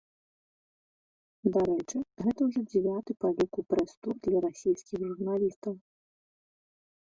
Дарэчы, гэта ўжо дзявяты па ліку прэс-тур для расійскіх журналістаў.